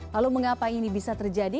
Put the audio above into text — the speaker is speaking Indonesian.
lalu mengapa ini bisa terjadi